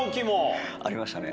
ありましたね